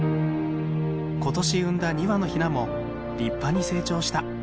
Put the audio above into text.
今年産んだ２羽のひなも立派に成長した。